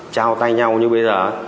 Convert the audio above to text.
trao tay nhau như bây giờ